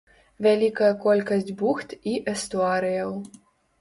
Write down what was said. Вялікая колькасць бухт і эстуарыяў.